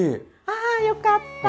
ああよかった！